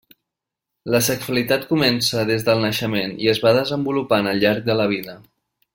La sexualitat comença des del naixement i es va desenvolupant al llarg de la vida.